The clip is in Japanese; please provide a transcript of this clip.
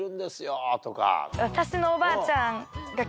私の。